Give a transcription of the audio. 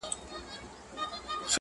سره له دې چې احمد شاه بابا سني حنفي و